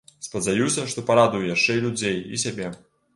Спадзяюся, што парадую яшчэ і людзей, і сябе!